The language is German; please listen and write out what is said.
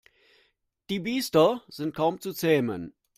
Die Biester sind kaum zu zähmen.